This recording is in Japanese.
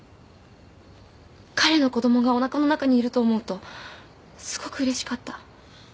彼の子供がおなかの中にいると思うとすごくうれしかった。